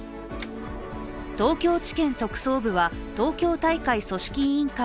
東京地検特捜部は東京大会組織委員会